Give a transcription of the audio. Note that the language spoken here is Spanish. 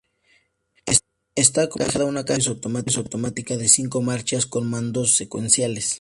Está acoplado a una caja de cambios automática de cinco marchas con mandos secuenciales.